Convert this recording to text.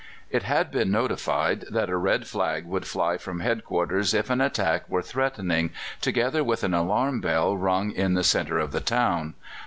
It had been notified that a red flag would fly from headquarters if an attack were threatening, together with an alarm bell rung in the centre of the town.